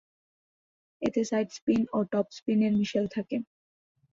এতে side spin ও top স্পিনের মিশেল থাকে।